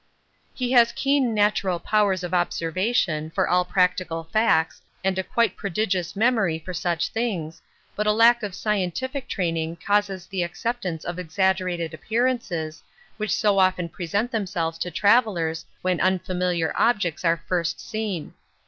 He has keen natural powers of observation for all practical facts and a quite prodigious memory for such things, but a lack of scientific training causes the acceptance of exaggerated appearances, which so often present themselves to travellers when unfamiliar objects are first seen.